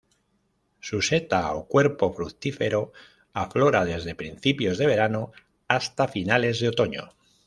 Su seta, o cuerpo fructífero, aflora desde principios de verano hasta finales de otoño.